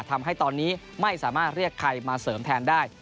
ทำให้ตอนนี้ไม่สามารถเรียกใครมาเสริมแทนได้